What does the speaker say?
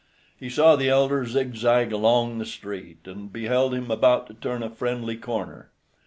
He saw the elder zigzag along the street, and beheld him about to turn a friendly corner.